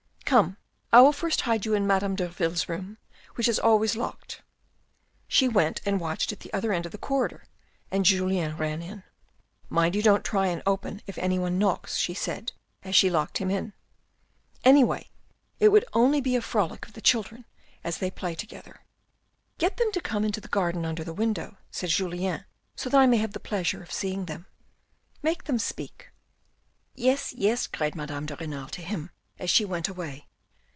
" Come, I will first hide you in Madame Derville's room which is always locked." She went and watched at the other end of the corridor and Julien ran in. " Mind you don't try and open if any one knocks," she said as she locked him in. " Anyway it would only be a frolic of the children as they play together." " Get them to come into the garden under the window," AN AMBITIOUS MAN 231 said Julien, " so that I may have the pleasure of seeing them. Make them speak." " Yes, yes," cried Madame de Renal to him as she went away.